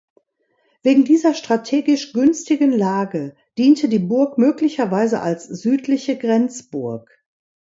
Wegen dieser strategisch günstigen Lage diente die Burg möglicherweise als südliche Grenzburg.